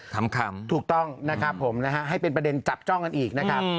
ขำถูกต้องนะครับผมนะฮะให้เป็นประเด็นจับจ้องกันอีกนะครับ